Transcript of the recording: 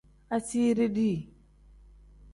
Asiiri dii.